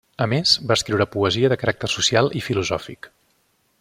A més, va escriure poesia de caràcter social i filosòfic.